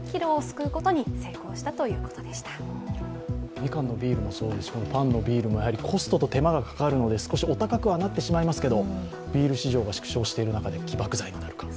みかんのビールもそうですしパンのビールもコストと手間がかかるので、少しお高くはなってしまいますけどビール市場が縮小している中で起爆剤になるかも。